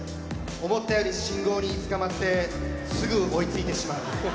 思ったより信号に捕まってすぐ追いついてしまう。